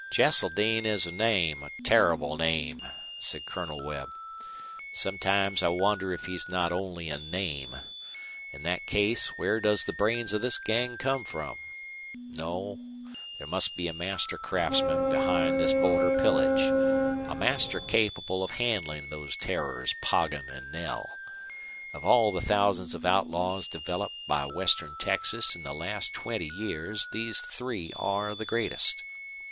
"Cheseldine is a name, a terrible name," said Colonel Webb. "Sometimes I wonder if he's not only a name. In that case where does the brains of this gang come from? No; there must be a master craftsman behind this border pillage; a master capable of handling those terrors Poggin and Knell. Of all the thousands of outlaws developed by western Texas in the last twenty years these three are the greatest.